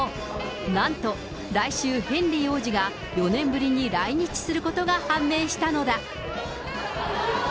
なんと来週、ヘンリー王子が４年ぶりに来日することが判明したのだ。